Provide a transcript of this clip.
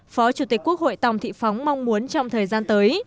phó chủ tịch quốc hội tòng thị phóng mong muốn trong thời gian tới